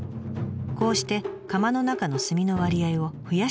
こうして窯の中の炭の割合を増やしていきます。